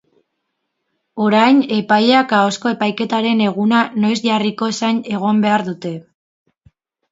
Orain, epaileak ahozko epaiketaren eguna noiz jarriko zain egon behar dute.